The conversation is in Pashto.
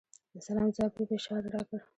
د سلام ځواب یې په اشاره راکړ .